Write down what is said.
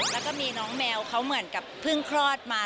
แล้วก็มีน้องแมวเขาเหมือนกับเพิ่งคลอดมา